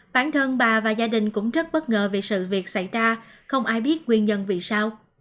bản thân bà và gia đình cũng rất bất ngờ vì sự việc xảy ra không ai biết nguyên nhân vì sao